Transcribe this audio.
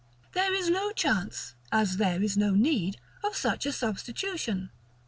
There is no chance, as there is no need, of such a substitution.